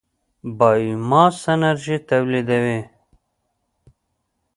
بایوماس انرژي تولیدوي.